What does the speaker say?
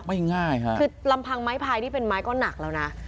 ง่ายค่ะคือลำพังไม้พายนี่เป็นไม้ก็หนักแล้วนะ